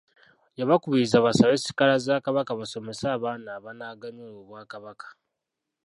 Yabakubirizza basabe sikaala za Kabaka basomese abaana abanaaganyula Obwakabaka.